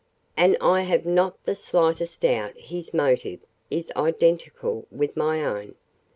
And I have not the slightest doubt his motive is identical with my own."